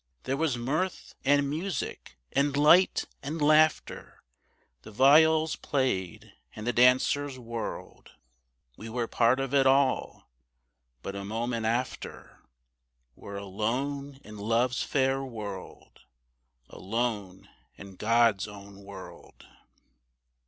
There was mirth, and music, and light and laughter, The viols played and the dancers whirled. We were part of it all but a moment after Were alone in love's fair world Alone in God's own world.